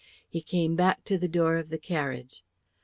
He came back to the door of the carriage.